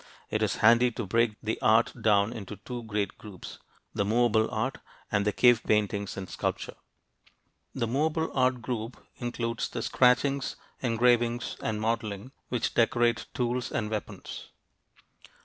It is handy to break the art down into two great groups: the movable art, and the cave paintings and sculpture. The movable art group includes the scratchings, engravings, and modeling which decorate tools and weapons.